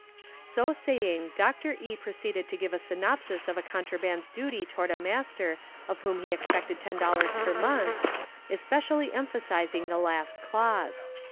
So saying Dr. E. proceeded to give a synopsis of a contraband's duty toward a master of whom he expected ten dollars per month, especially emphasising the last clause.